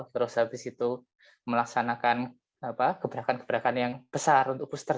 terus habis itu melaksanakan gebrakan gebrakan yang besar untuk booster